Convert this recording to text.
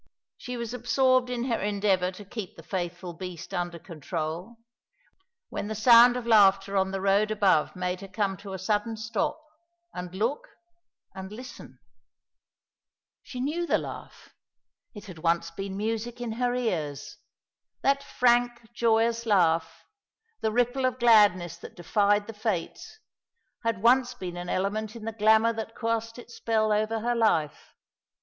She was absorbed in her endeavour to keep the faithful beast under control, when the sound of laughter on the road above made her come to a sudden stop, and look, and listen. She knew the laugh. It had once been music in her ears. That frank, joyous laugh, the ripple of gladness that defied the Fates, had once been an element in the glamour that cast its spell over her life.